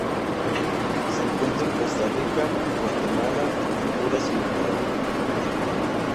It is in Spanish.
Se encuentra en Costa Rica, Guatemala, Honduras y Nicaragua.